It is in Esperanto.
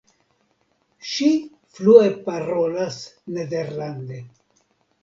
Ŝi flue parolas nederlande.